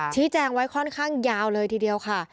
ชี้แจงไว้ค่อนข้างยาวเลยทีเดียวค่ะ